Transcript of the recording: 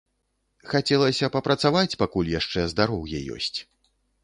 Хацелася папрацаваць, пакуль яшчэ здароўе ёсць.